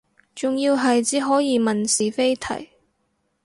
仲要係只可以問是非題